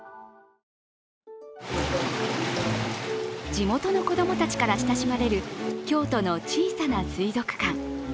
地元の子供たちから親しまれる京都の小さな水族館。